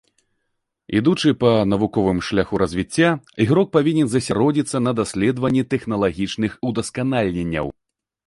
Ідучы па навуковым шляху развіцця, ігрок павінен засяродзіцца на даследаванні тэхналагічных удасканаленняў.